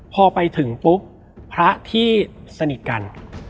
พอไปถึงปุ๊บพระที่สนิทกัน